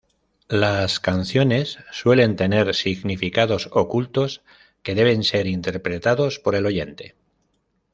Las canciones suelen tener significados ocultos que deben ser interpretados por el oyente.